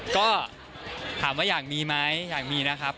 ก็ถามว่าอยากมีไหมอยากมีนะครับ